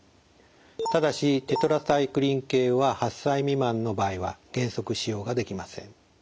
ただしテトラサイクリン系は８歳未満の場合は原則使用ができません。